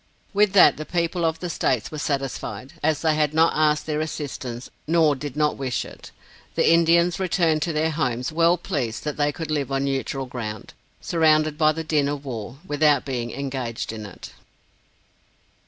With that the people of the states were satisfied, as they had not asked their assistance, nor did not wish it. The Indians returned to their homes well pleased that they could live on neutral ground, surrounded by the din of war, without being engaged in it.